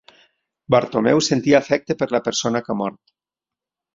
Bartomeu sentia afecte per la persona que ha mort.